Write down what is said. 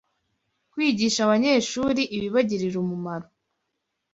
kwigisha abanyeshuri ibibagirira umumaro